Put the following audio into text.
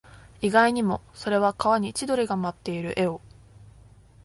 意外にも、それは川に千鳥が舞っている絵を